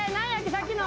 さっきの。